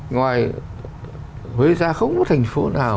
ngoài huế ra không có thành phố nào